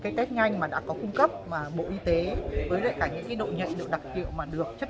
cái test nhanh mà đã có cung cấp bộ y tế với lại cả những cái độ nhận được đặc điệu mà được chấp